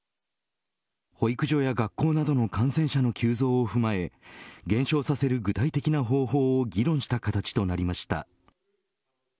保育所や学校などの感染者の急増を踏まえ減少させる具体的な方法を議論した形となりました。